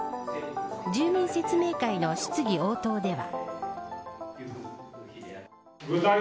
住民説明会の質疑応答では。